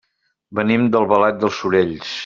Venim d'Albalat dels Sorells.